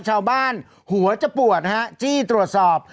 ชาวบ้านหัวจะปวดฮะจี้ตรวจสอบ